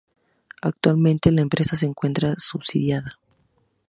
Actualmente la empresa se encuentra subsidiada.